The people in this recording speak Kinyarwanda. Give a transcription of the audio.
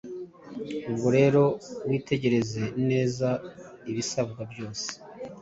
Ubwo rero witegereze neza ibisabwa byose